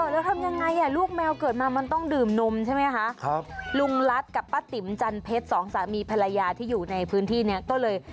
แล้วทำยังไงลูกแมวเกิดมามันต้องดื่มนมใช่ไหมที่อยู่ในพื้นที่นี่ก็เลย